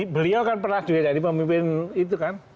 beliau kan pernah juga jadi pemimpin itu kan